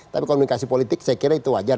tapi komunikasi politik saya kira itu wajar